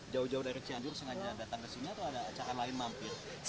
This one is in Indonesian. jauh jauh dari cianjur sengaja datang ke sini atau ada cara lain mampir